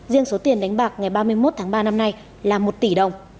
riêng số tiền đánh bạc ngày ba mươi một tháng ba năm nay là một tỷ đồng